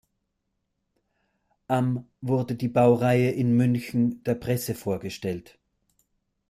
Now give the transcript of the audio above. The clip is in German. Am wurde die Baureihe in München der Presse vorgestellt.